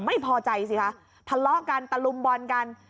ไม่พอใจสิคะพล่อกันตะลุมบอนกัน